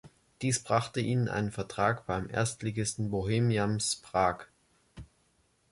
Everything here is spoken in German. Dies brachte ihm einen Vertrag beim Erstligisten Bohemians Prag.